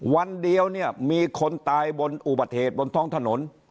วันเดียวเนี่ยมีคนตายบนอุบัติเหตุบนท้องถนน